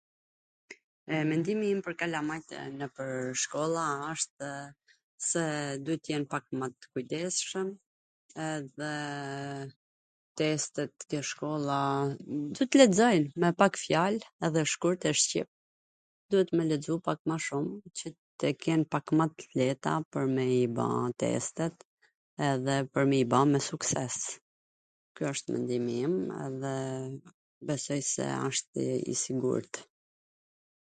Mendimi im pwr kalamajt nwpwr shkolla wshtw se duhet t jen pak mw t kujdesshwm, edhe testet te shkolla... tw lexojn, me pak fjal edhe shkurt e shqip. Duhet me lexu pak ma shum qw tw ken pak mw t lehta pwr me i ba testet edhe pwr me i ba me sukses, ky wsht mendimi im edhe besoj se asht i sigurt.